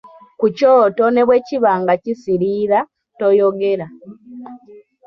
Ku kyoto ne bwe kiba nga kisiriira, toyogera.